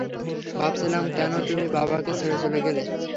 ভাবছিলাম কেন তুমি বাবাকে ছেড়ে চলে গেলে?